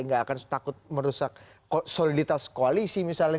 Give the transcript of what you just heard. nggak akan takut merusak soliditas koalisi misalnya